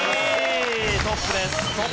トップです。